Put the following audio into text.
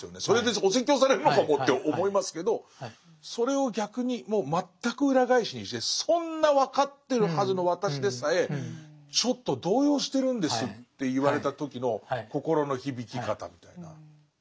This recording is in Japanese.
それでお説教されるのかもって思いますけどそれを逆にもう全く裏返しにしてそんな分かってるはずの私でさえちょっと動揺してるんですって言われた時の心の響き方みたいな。